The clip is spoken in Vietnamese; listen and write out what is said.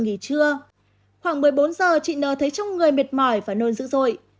khoảng một mươi bốn h chị n t l thấy trong người mệt mỏi và nôn dữ rồi